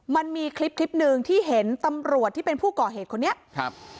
มันมีคลิปคลิปหนึ่งที่เห็นตำรวจที่เป็นผู้ก่อเหตุคนนี้ครับ